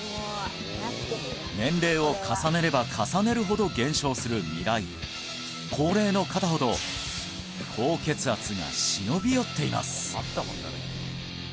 年齢を重ねれば重ねるほど減少する味蕾高齢の方ほど高血圧が忍び寄っています